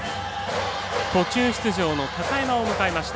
途中出場の高山を迎えました。